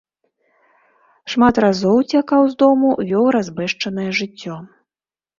Шмат разоў уцякаў з дому, вёў разбэшчанае жыццё.